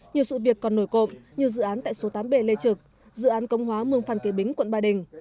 nhiều sự việc còn nổi cộng như dự án tại số tám b lê trực dự án công hóa mương phan kế bính quận ba đình